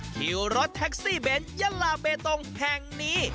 คิวรถแท็กซี่เบนทยะลาเบตงแห่งนี้